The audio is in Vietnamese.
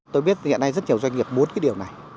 tôi biết hiện nay rất nhiều doanh nghiệp muốn cái điều này